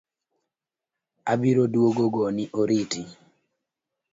Abiro duogo goni oriti